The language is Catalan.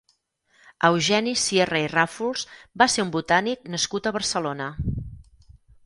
Eugeni Sierra i Ràfols va ser un botànic nascut a Barcelona.